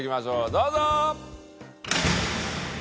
どうぞ！